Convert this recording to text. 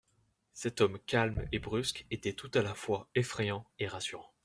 Cet homme, calme et brusque, était tout à la fois effrayant et rassurant.